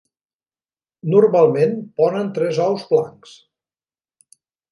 Normalment ponen tres ous blancs.